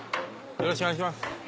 よろしくお願いします。